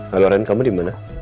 halo ren kamu dimana